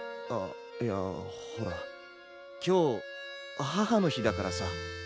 あっいやほら今日母の日だからさ。